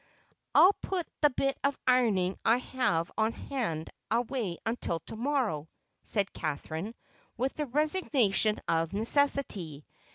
"I'll put the bit of ironing I have on hand away until to morrow," said Catherine with the resignation of necessity.